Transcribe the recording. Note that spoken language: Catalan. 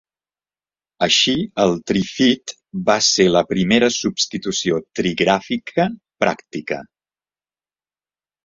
Així, el Trifid va ser la primera substitució trigràfica pràctica.